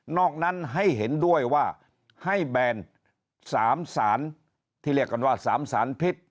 อกนั้นให้เห็นด้วยว่าให้แบน๓สารที่เรียกกันว่า๓สารพิษ